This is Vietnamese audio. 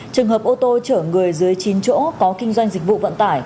trường hợp ô tô chở người dưới chín chỗ có kinh doanh dịch vụ vận tải